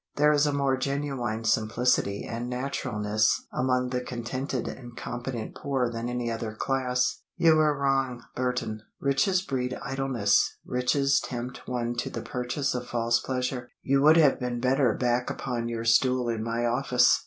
There is a more genuine simplicity and naturalness among the contented and competent poor than any other class. You were wrong, Burton. Riches breed idleness, riches tempt one to the purchase of false pleasure. You would have been better back upon your stool in my office."